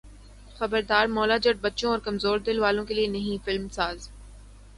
خبردار مولا جٹ بچوں اور کمزور دل والوں کے لیے نہیں فلم ساز